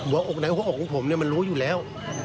อกไหนหัวอกของผมมันรู้อยู่แล้ว